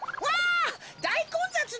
だいこんざつなのだ。